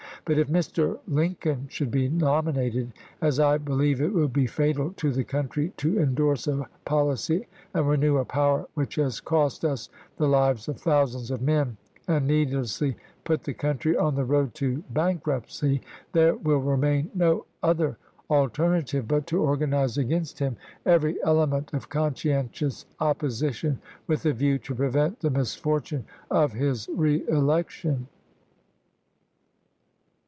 .. But if Mr. Lincoln should be nominated — as I believe it would be fatal to the country to indorse a policy and renew a power which has cost us the lives of thousands of men, and needlessly put the country on the road to bankruptcy — there will remain no other alterna phSon, tive but to organize against him every element of ' '^fsthey conscientious opposition with the view to prevent ep64u.n' the misfortune of his reelection."